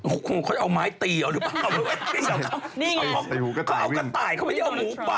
นะฮะคงคงคอยให้ออกแม้ตีออกหนูฮะ